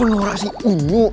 lora sih unyuk